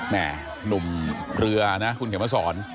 หนุ่มเรือนะคุณเขียนมาสอน